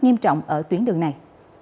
nghiêm trọng ở tuyến đường này